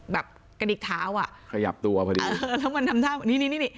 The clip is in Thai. แบบกระดิกเท้าอ่ะคยพหัวพอดีนี่